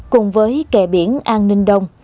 cùng với kẻ biển an ninh đông